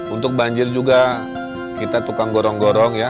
untuk banjir juga kita tukang gorong gorong ya